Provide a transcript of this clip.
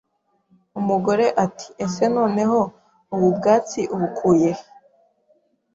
Umugore ati ese noneho ubu bwatsi ubukuye he